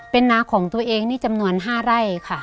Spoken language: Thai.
เป็นนาของตัวเองนี่จำนวน๕ไร่ค่ะ